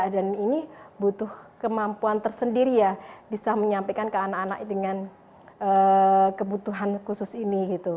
dan ini butuh kemampuan tersendiri ya bisa menyampaikan ke anak anak dengan kebutuhan khusus ini gitu